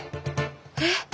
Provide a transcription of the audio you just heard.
えっ？